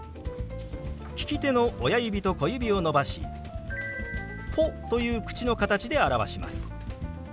利き手の親指と小指を伸ばし「ポ」という口の形で表します。